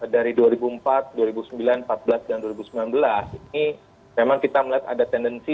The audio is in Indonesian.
dari dua ribu empat dua ribu sembilan dua ribu empat belas dan dua ribu sembilan belas ini memang kita melihat ada tendensi